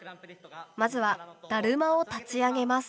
まずはだるまを立ち上げます。